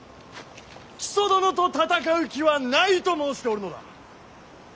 木曽殿と戦う気はないと申しておるのだ。